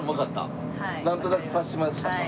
なんとなく察しましたか？